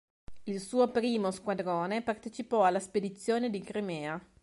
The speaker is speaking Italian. Il suo primo squadrone partecipò alla Spedizione di Crimea.